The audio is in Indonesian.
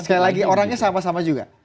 dan sekali lagi orangnya sama sama juga